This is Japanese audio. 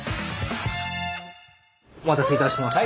お待たせいたしました。